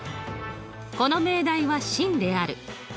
「この命題は真である」。